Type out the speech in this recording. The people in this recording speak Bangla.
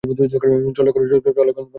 চল এখন, ট্রেন চলে এসেছে।